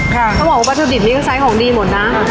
เขาบอกว่าประสุนิทนี้ก็ไซส์ของดีหมดนะ